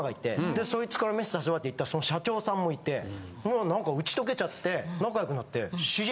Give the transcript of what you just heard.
でそいつから飯誘われて行ったらその社長さんもいてもうなんか打ち解けちゃって仲良くなって。